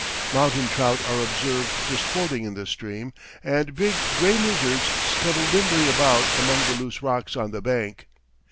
Mountain trout are observed disporting in this stream, and big, gray lizards scuttle nimbly about among the loose rocks on the bank.